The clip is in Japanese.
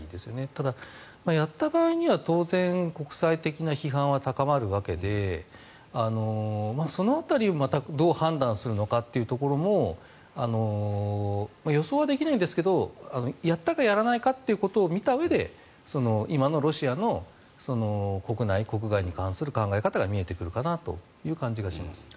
ただ、やった場合には当然、国際的な批判は高まるわけでその辺りをどう判断するのかというのも予想はできないですがやったかやらないかということを見たうえで今のロシアの国内、国外に関する考え方が見えてくるという感じがします。